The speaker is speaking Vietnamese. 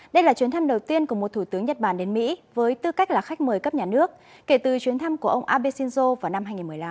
đây là chuyến thăm đầu tiên của một thủ tướng nhật bản đến mỹ với tư cách là khách mời cấp nhà nước kể từ chuyến thăm của ông abe shinzo vào năm hai nghìn một mươi năm